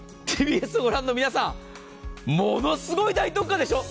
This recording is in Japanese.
ＴＢＳを御覧の皆さん、ものすごい大特価でしょう。